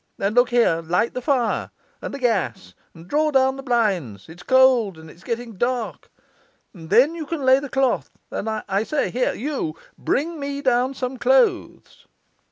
And look here, light the fire and the gas, and draw down the blinds; it's cold and it's getting dark. And then you can lay the cloth. And, I say here, you! bring me down some clothes.